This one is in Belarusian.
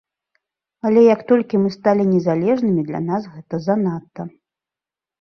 Але як толькі мы сталі незалежнымі, для нас гэта занадта.